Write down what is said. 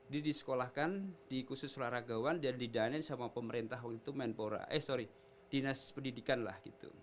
dia disekolahkan di khusus raragawan dan didanain sama pemerintah yang itu dinas pendidikan lah gitu